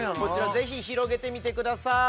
ぜひ広げてみてください